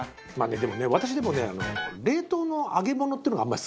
私でもね冷凍の揚げ物っていうのがあんまり好きじゃないんですね。